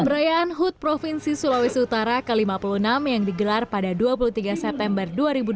perayaan hud provinsi sulawesi utara ke lima puluh enam yang digelar pada dua puluh tiga september dua ribu dua puluh